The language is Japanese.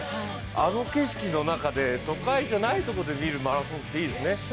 あの景色の中で、都会じゃないとこで見るマラソンっていいですね。